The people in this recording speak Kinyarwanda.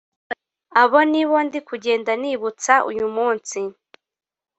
abo ni bo ndikugenda nibutsa uyu munsi”